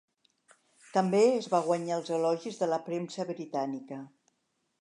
També es va guanyar els elogis de la premsa britànica.